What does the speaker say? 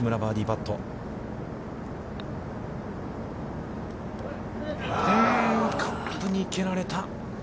カップに蹴られた。